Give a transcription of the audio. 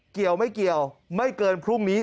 เกี่ยวไม่เกี่ยวไม่เกินพรุ่งนี้